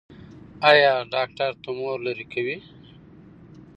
ایا ډاکټر تومور لرې کوي؟